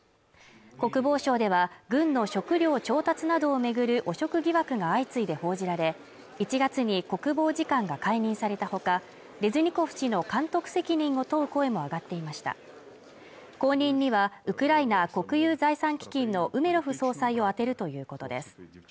国防省では軍の食料調達などを巡る汚職疑惑が相次いで報じられ１月に国防次官が解任されたほかレズニコフ氏の監督責任を問う声も上がっていました後任にはウクライナ国有財産基金のウメロフ総裁を充てるということです